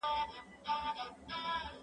کالي وچ کړه،